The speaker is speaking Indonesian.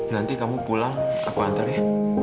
nanti kamu pulang aku hantar ya